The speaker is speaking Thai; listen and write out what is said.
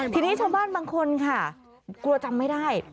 ทีนี้ชาวบ้านบางคนค่ะกลัวจำไม่ได้